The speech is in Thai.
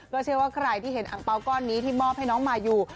เชื่อว่าใครที่เห็นอังเปล่าก้อนนี้ที่มอบให้น้องมายู